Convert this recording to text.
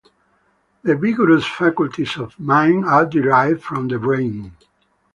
The vigorous faculties of the mind are derived from the brain.